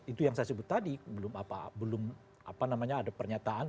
itu yang saya sebut tadi belum ada pernyataan